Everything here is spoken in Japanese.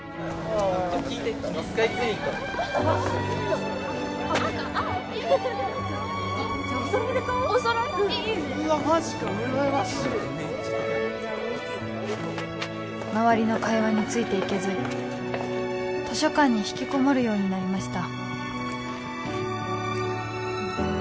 うわっマジか羨ましい周りの会話についていけず図書館に引きこもるようになりました